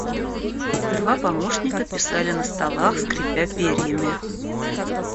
Два помощника писали на столах, скрипя перьями.